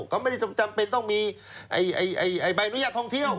เขาไม่ได้จำเป็นต้องมีใบอนุญาตท่องเที่ยว